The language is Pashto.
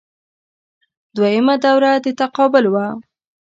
دویمه دوره د تقابل وه